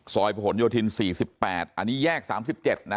ซอยผลโยธินสี่สิบแปดอันนี้แยกสามสิบเจ็ดนะ